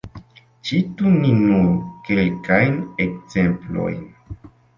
Citu ni nur kelkajn ekzemplojn.